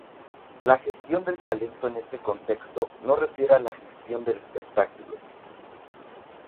La gestión del talento en este contexto, no refiere a la gestión del espectáculo.